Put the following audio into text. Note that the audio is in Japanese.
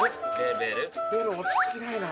ベル落ち着きないな。